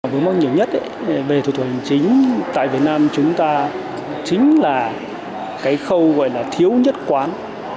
vướng mắt nhiều nhất về thủ tục hành chính tại việt nam chúng ta chính là cái khâu gọi là thiếu nhất quán